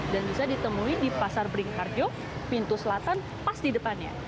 bisa ditemui di pasar beringharjo pintu selatan pas di depannya